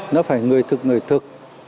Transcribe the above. nó phải người thực người thực